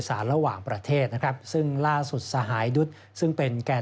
ระหว่างประเทศนะครับซึ่งล่าสุดสหายดุษย์ซึ่งเป็นแก่